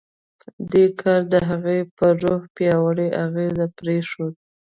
دې کار د هغه پر روح پیاوړی اغېز پرېښود